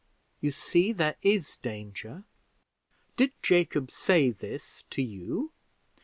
You see there is danger." "Did Jacob say this to you?"